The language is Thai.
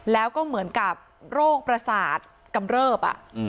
แล้วก็เหมือนกับโรคประสาทกำเริบ